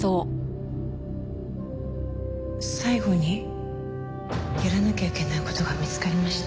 最後にやらなきゃいけない事が見つかりました。